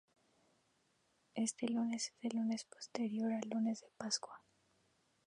Este lunes es el lunes posterior al Lunes de Pascua.